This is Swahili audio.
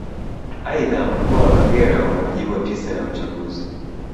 Aidha Mkoa wa Kagera una Majimbo tisa ya uchaguzi